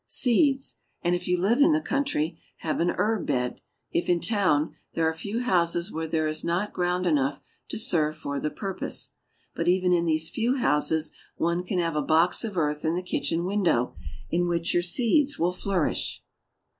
seeds, and if you live in the country, have an herb bed; if in town, there are few houses where there is not ground enough to serve for the purpose; but even in these few houses one can have a box of earth in the kitchen window, in which your seeds will flourish.